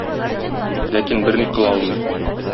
Ләкин берни кыла алмый.